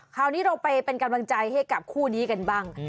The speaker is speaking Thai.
คราวนี้เราไปเป็นกำลังใจให้กับคู่นี้กันบ้าง